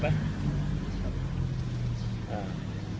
ก็อยู่ระหว่างการดำรึกกัน